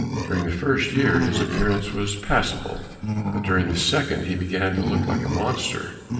During the first year his appearance was passable, but during the second he began to look like a monster.